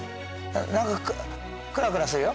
何かクラクラするよ。